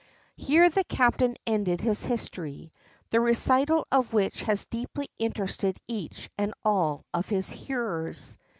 Here the captain ended his history, the recital of which had deeply interested each and all of his hearers.